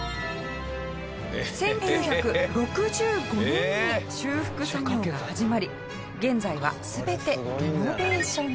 １９６５年に修復作業が始まり現在は全てリノベーション済み。